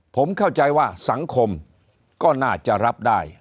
ผมเข้าใจว่าสังคมก็น่าจะรับได้